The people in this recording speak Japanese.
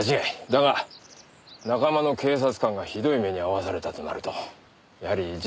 だが仲間の警察官がひどい目に遭わされたとなるとやはりじっとしてはいられない。